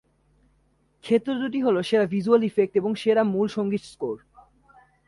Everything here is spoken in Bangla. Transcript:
ক্ষেত্র দুটি হল সেরা ভিজুয়াল ইফেক্ট এবং সেরা মূল সঙ্গীত স্কোর।